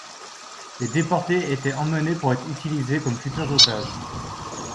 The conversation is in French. Les déportés étaient emmenés pour être utilisés comme futur otages.